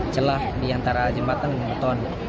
celah di antara jembatan dan beton